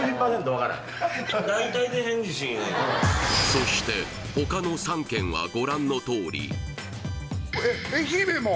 そして他の３県はご覧のとおりえっ愛媛も！？